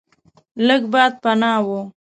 لږ باد پناه و.